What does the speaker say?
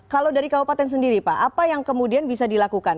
kalau dari kabupaten sendiri pak apa yang kemudian bisa dilakukan